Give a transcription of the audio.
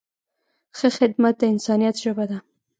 ښه خدمت د انسانیت ژبه ده.